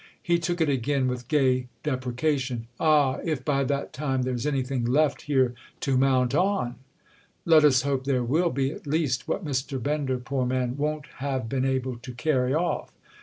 He took it again with gay deprecation. "Ah, if by that time there's anything left here to mount on!" "Let us hope there will be at least what Mr. Bender, poor man, won't have been able to carry off."